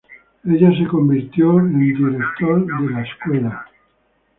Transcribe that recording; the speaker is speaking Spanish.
Ella se convirtió en director de la escuela.